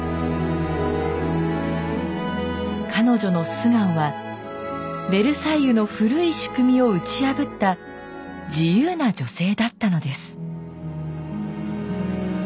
彼女の素顔はヴェルサイユの古い仕組みを打ち破った自由な女性だったのです。